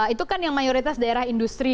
itu kan yang mayoritas daerah industri